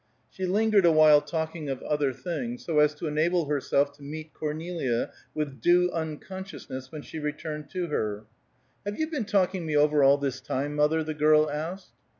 She lingered awhile talking of other things, so as to enable herself to meet Cornelia with due unconsciousness when she returned to her. "Have you been talking me over all this time, mother?" the girl asked.